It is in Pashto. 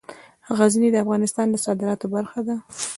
غزني د افغانستان د صادراتو برخه ده.